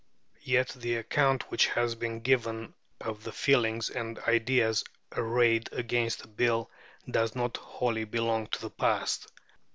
Yet the account which has been given of the feelings and ideas arrayed against the Bill does not wholly belong to the past.